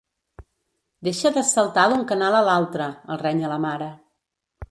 Deixa de saltar d'un canal a l'altre —el renya la mare.